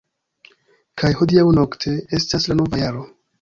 Kaj hodiaŭ-nokte estas la nova jaro!